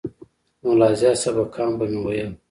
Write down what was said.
نو لا زيات سبقان به مې ويل.